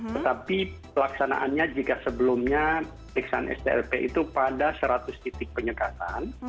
tetapi pelaksanaannya jika sebelumnya periksaan strp itu pada seratus titik penyekatan